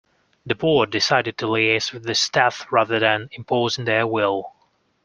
The board decided to liaise with the staff rather than imposing their will.